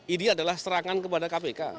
ini adalah serangan kepada kpk